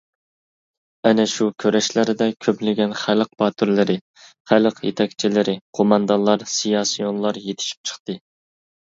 ئەنە شۇ كۈرەشلەردە كۆپلىگەن خەلق باتۇرلىرى، خەلق يېتەكچىلىرى، قوماندانلار، سىياسىيونلار يېتىشىپ چىقتى.